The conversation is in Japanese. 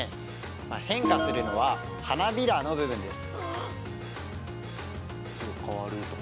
まあ変化するのは花びらの部分です。